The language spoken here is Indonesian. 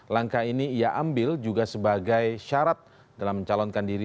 langkah ini ia ambil juga sebagai syarat dalam mencalonkan diri